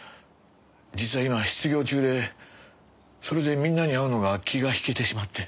実は今失業中でそれでみんなに会うのが気が引けてしまって。